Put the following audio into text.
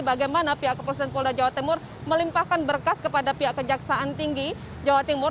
bagaimana pihak kepolisian polda jawa timur melimpahkan berkas kepada pihak kejaksaan tinggi jawa timur